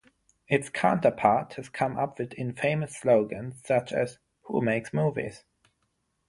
Its counterpart has come up with infamous slogans such as Who Makes Movies?